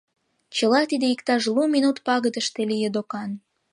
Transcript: Чыла тиде иктаж лу минут пагытыште лие докан.